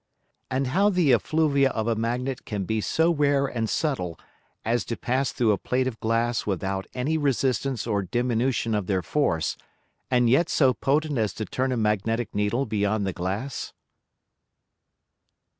And how the Effluvia of a Magnet can be so rare and subtile, as to pass through a Plate of Glass without any Resistance or Diminution of their Force, and yet so potent as to turn a magnetick Needle beyond the Glass?